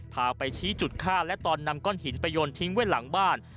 พาไปชี้จุดฆ่าและตอนนำก้อนหินไปโยนทิ้งไว้หลังบ้าน